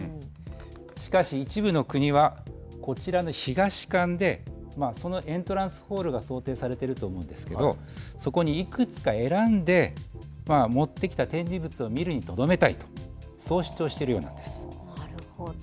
しかし、一部の国はこちらの東館でそのエントランスホールが想定されていると思うんですけれどもそこに、いくつか選んで持ってきた展示物を見るにとどめたいとなるほど。